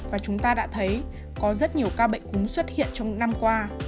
và chúng ta đã thấy có rất nhiều ca bệnh cúm xuất hiện trong năm qua